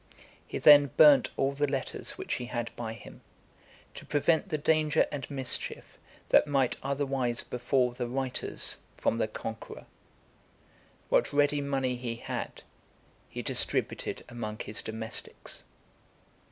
He then burnt all the letters which he had by him, to prevent the danger and mischief that might otherwise befall the writers from the conqueror. What ready money he had, he distributed among his domestics.